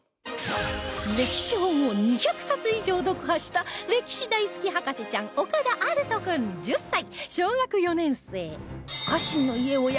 歴史本を２００冊以上読破した歴史大好き博士ちゃん岡田有史君１０歳小学４年生